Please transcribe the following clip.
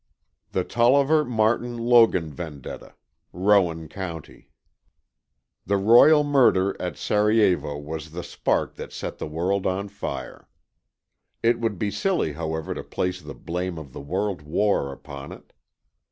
THE TOLLIVER MARTIN LOGAN VENDETTA. (ROWAN COUNTY) The royal murder at Serajevo was the spark that set the world on fire. It would be silly, however, to place the blame of the world war upon it.